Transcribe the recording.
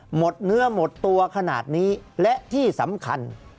หมดเนื้อหมดตัวขนาดนี้และที่สำคัญ